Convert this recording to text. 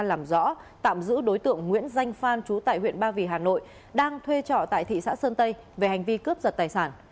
làm rõ tạm giữ đối tượng nguyễn danh phan chú tại huyện ba vì hà nội đang thuê trọ tại thị xã sơn tây về hành vi cướp giật tài sản